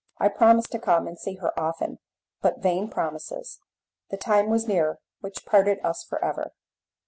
I promised to come and see her often, but vain promises! The time was near which parted us for ever.